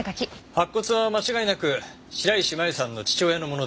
白骨は間違いなく白石麻由さんの父親のものでした。